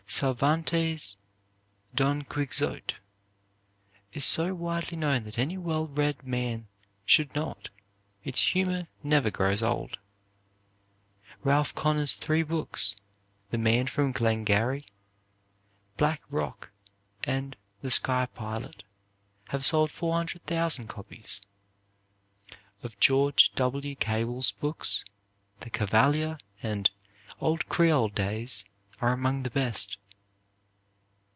Cervantes' "Don Quixote" is so widely known that any well read man should know it. Its humor never grows old. Ralph Connor's three books, "The Man from Glengarry," "Black Rock," and "The Sky Pilot," have sold 400,000 copies. Of George W. Cable's books, "The Cavalier," and "Old Creole Days" are among the best.